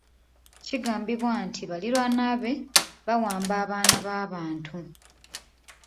Kigambibwa nti baliraanwa be bawamba abaana b'abantu.